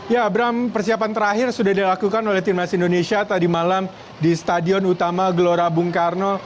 ya abram persiapan terakhir sudah dilakukan oleh timnas indonesia tadi malam di stadion utama gelora bung karno